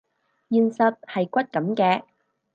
現實係骨感嘅